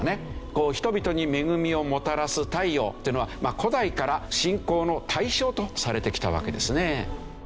人々に恵みをもたらす太陽っていうのは古代から信仰の対象とされてきたわけですね。